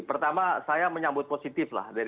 pertama saya menyambut positif